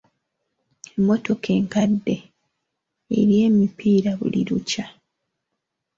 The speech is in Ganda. Emmotoka enkadde erya emipiira buli lukya.